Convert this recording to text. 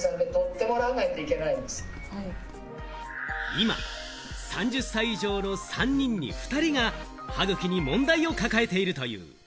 今３０歳以上の３人に２人が歯ぐきに問題を抱えているという。